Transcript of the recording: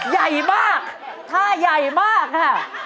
ใหญ่มากท่าใหญ่มากค่ะ